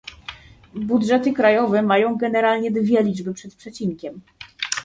Budżety krajowe mają generalnie dwie liczby przed przecinkiem